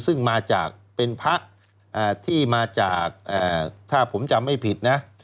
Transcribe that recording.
ซึ่งมาจากเป็นพระที่มาจากถ้าผมจำไม่ผิดนะ